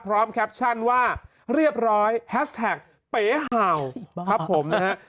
แคปชั่นว่าเรียบร้อยแฮสแท็กเป๋เห่าครับผมนะฮะ